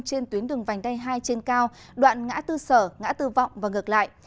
trên tuyến đường vành đay hai trên cao đoạn ngã tư sở ngã tư vọng và ngược lại